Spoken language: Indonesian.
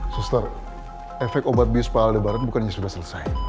suster efek obat bius pak aldebaran bukannya sudah selesai